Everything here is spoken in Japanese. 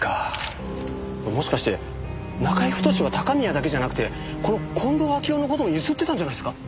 もしかして中居太は高宮だけじゃなくてこの近藤秋夫の事も強請ってたんじゃないですか？